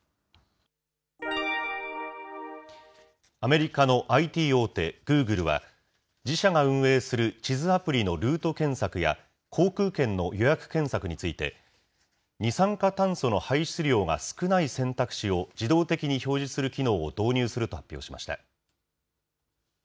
アメリカのＩＴ大手、グーグルは、自社が運営する地図アプリのルート検索や航空券の予約検索について、二酸化炭素の排出量が少ない選択肢を自動的に表示する機能を導入すると発表しました。